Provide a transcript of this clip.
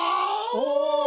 お！